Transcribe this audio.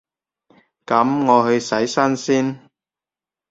噉我去洗身先